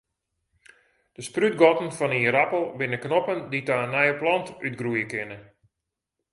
De sprútgatten fan in ierappel binne knoppen dy't ta in nije plant útgroeie kinne.